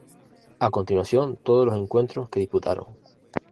A continuación todos los encuentros que disputaron